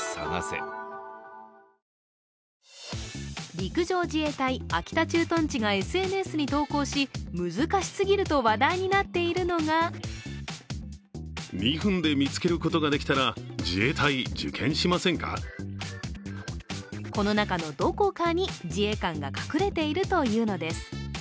陸上自衛隊秋田駐屯地がＳＮＳに投稿し、難しすぎると話題になっているのがこの中のどこかに自衛官が隠れているというのです。